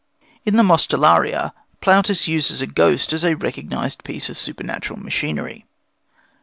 In the Mostellaria, Plautus uses a ghost as a recognized piece of supernatural machinery.